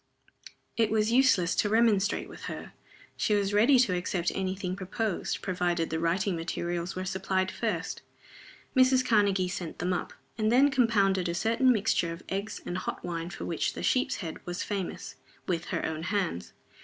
It was useless to remonstrate with her. She was ready to accept any thing proposed, provided the writing materials were supplied first. Mrs. Karnegie sent them up, and then compounded a certain mixture of eggs and hot wine for which The Sheep's Head was famous, with her own hands.